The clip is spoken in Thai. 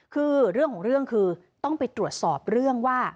คือเรื่องของเรื่องคือต้องไปตรวจสอบเรื่องว่า